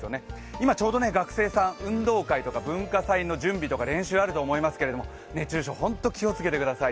今、ちょうど学生さん、運動会とか文化祭の準備とかあると思いますけど、熱中症、本当に気をつけてください。